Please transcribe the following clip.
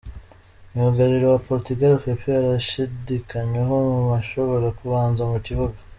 Myugariro wa Portugal, Pepe arashidikanywaho mu bashobora kubanza mu kibuga.